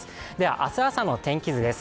明日朝の天気図です。